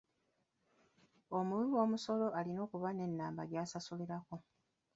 Omuwiwoomusolo alina okuba n'ennamba gy'asasulirako.